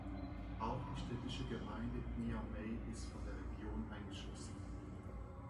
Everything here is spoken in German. Auch die städtische Gemeinde Niamey ist von der Region eingeschlossen.